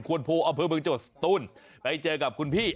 คว่านโภว์อเผิร์นบิลจสตุ้นไปเจอกับคุณพี่